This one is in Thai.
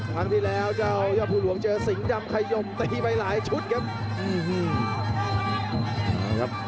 ทางที่แล้วย่อผิวหลงเจอสิงห์ดำขยมตีไปหลายชุดครับ